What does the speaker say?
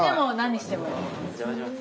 お邪魔します。